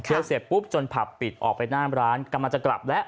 เสร็จปุ๊บจนผับปิดออกไปหน้าร้านกำลังจะกลับแล้ว